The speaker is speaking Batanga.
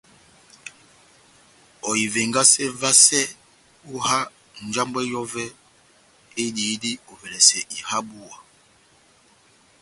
Ohivengase vasɛ ó iha njambwɛ yɔvɛ ediyidi ovɛlɛsɛ iha búwa.